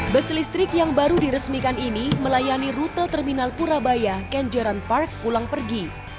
bus listrik yang baru diresmikan ini melayani rute terminal purabaya kenjeran park pulang pergi